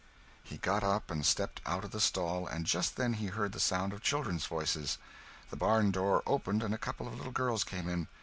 He got up and stepped out of the stall, and just then he heard the sound of children's voices. The barn door opened and a couple of little girls came in.